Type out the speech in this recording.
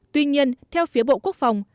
tuy nhiên theo phía bộ quốc phòng